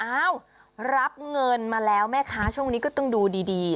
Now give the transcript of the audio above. รับเงินมาแล้วแม่ค้าช่วงนี้ก็ต้องดูดี